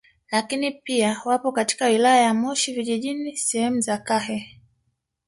Lakini pia wapo katika wilaya ya Moshi Vijijini sehemu za Kahe